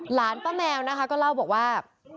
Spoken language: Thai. หลานป้าแมวนะคะก็เล่าบอกว่า